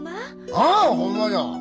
ああほんまじゃ！